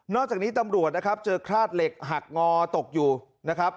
จากนี้ตำรวจนะครับเจอคราดเหล็กหักงอตกอยู่นะครับ